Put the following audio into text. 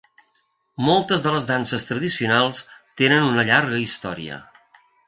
Moltes de les danses tradicionals tenen una llarga història.